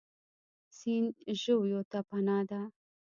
سیند ژویو ته پناه ده.